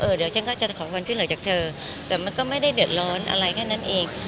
เดี๋ยวฉันก็จะขอวันขึ้นหลังจากเธอแต่มันก็ไม่ได้เดือดร้อนอะไรแค่นั้นเอง